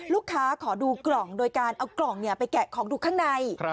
ขอดูกล่องโดยการเอากล่องไปแกะของดูข้างใน